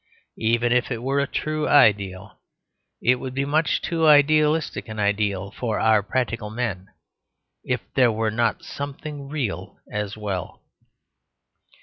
Even if it were a true ideal, it would be much too idealistic an ideal for our "practical men," if there were not something real as well.